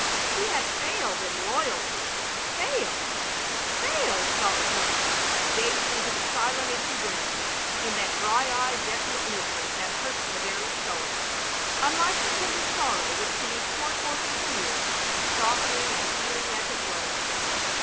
He had failed in loyalty, failed — ^failed — ^thought Jeanne, gazing into the silent empty room in that dry eyed desolate misery that htuts the very soul, unlike the tender sorrow which can be poured forth in tears, softening and healing as it flows.